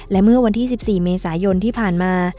และเมื่อวันที่๑๔เมษายนที่ผ่านมา